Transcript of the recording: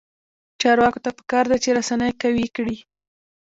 چارواکو ته پکار ده چې، رسنۍ قوي کړي.